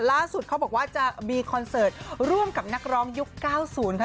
เขาบอกว่าจะมีคอนเสิร์ตร่วมกับนักร้องยุค๙๐ค่ะ